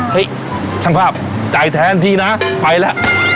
เฮ่ยช่างภาพจ่ายแทนดีนะไปล่ะ